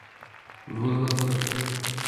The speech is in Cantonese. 點解澳洲牛奶公司唔喺澳洲？